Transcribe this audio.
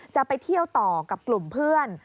จะไปเที่ยวต่อกับกลุ่มเพื่อน